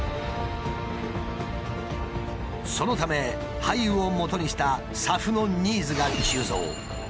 そのため廃油をもとにしたＳＡＦのニーズが急増。